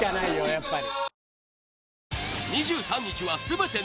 やっぱり。